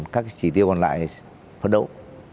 các chỉ tiêu còn lại là phấn đấu